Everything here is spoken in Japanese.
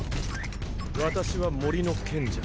私は森の賢者。